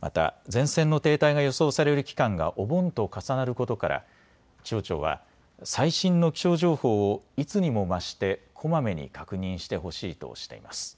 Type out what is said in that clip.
また前線の停滞が予想される期間がお盆と重なることから気象庁は最新の気象情報をいつにも増してこまめに確認してほしいとしています。